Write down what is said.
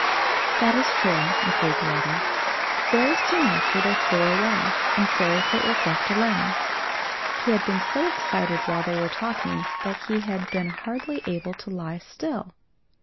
"That is true," agreed the other. Very soon after they flew away, and Fairyfoot was left alone. He had been so excited while they were talking that he had been hardly able to lie still.